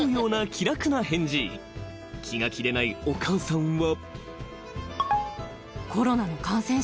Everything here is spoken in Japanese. ［気が気でないお母さんは］